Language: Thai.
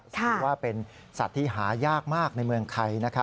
ถือว่าเป็นสัตว์ที่หายากมากในเมืองไทย